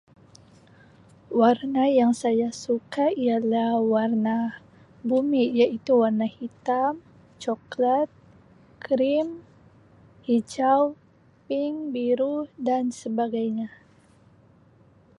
Warna yang saya suka ialah warna bumi iaitu warna hitam, coklat, cream, hijau, pink, biru dan sebagainya.